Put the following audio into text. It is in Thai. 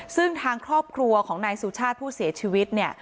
ซึ่งทางครอบครัวของนายสุชาติผู้เสียชีวิตเนี่ย